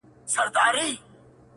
نن بيا د هغې نامه په جار نارې وهلې چي.